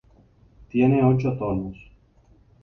Tiene ocho tonos.